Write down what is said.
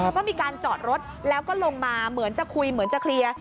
ก็มีการจอดรถแล้วก็ลงมาเหมือนจะคุยเหมือนจะเคลียร์